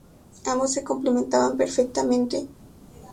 Ambos se complementaban perfectamente.